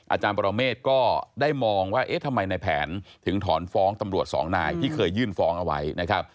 อาจารย์ปรเมฆก็ได้มองว่าเอ๊ะทำไมในแผนถึงถอนฟ้องตำรวจสองนายที่เคยยื่นฟ้องเอาไว้นะครับ